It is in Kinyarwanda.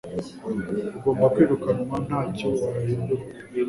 ugomba kwirukanwa ntacyo wahindura